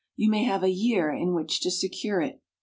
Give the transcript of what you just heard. You may have a year in which to secure it."